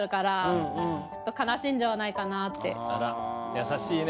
優しいね。